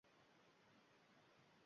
Yo`q, uchmagan, aynan noqonuniy tarzda O